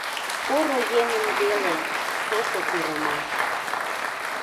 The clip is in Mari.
Поро еҥын веле Сото пӱрымаш.